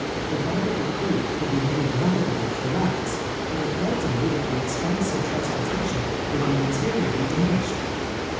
Provided the creek could be made navigable for rafts, it occurred to me that the expense of trans portation would be nuiterially diminished.